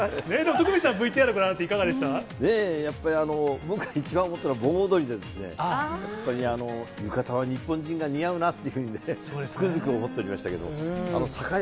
徳光さん、やっぱり僕が一番思ったのは、盆踊りで、やっぱり浴衣は日本人が似合うなっていうふうにね、つくづく思っておりましたけれども。